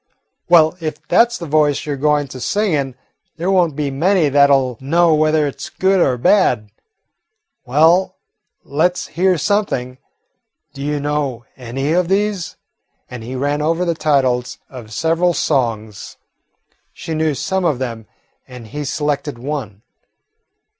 "Well, if that 's the voice you 're going to sing in, there won't be many that 'll know whether it 's good or bad. Well, let 's hear something. Do you know any of these?" And he ran over the titles of several songs. She knew some of them, and he selected one.